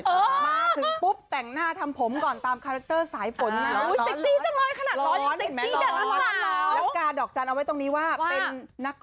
มาถึงปุ๊บแต่งหน้าทำผมก่อนตามคาแรคเตอร์สายฝนนะ